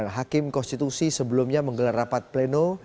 sembilan hakim konstitusi sebelumnya menggelar rapat pleno hakim